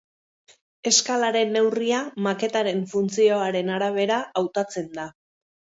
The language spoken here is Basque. Eskalaren neurria maketaren funtzioaren arabera hautatzen da.